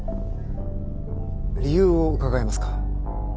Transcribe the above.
理由を伺えますか。